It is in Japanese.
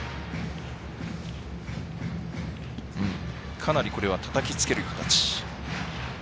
かなりこれはたたきつける形。